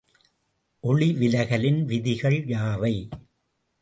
ஒளிவிலகலின் விதிகள் யாவை?